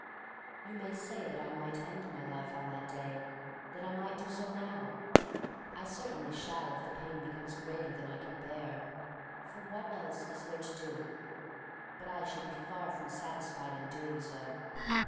You may say that I might end my life on that day, that I might do so now. I certainly shall if the pain be comes greater • than I can bear — for what else is there to do? But I shall be far from satisfied in doing so.